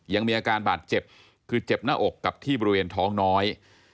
ยังมีอาการบาดเจ็บคือเจ็บหน้าอกกับที่บริเวณท้องน้อย